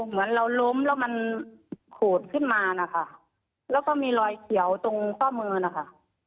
เหมือนเราล้มแล้วมันขูดขึ้นมานะคะแล้วก็มีรอยเขียวตรงข้อมือนะคะ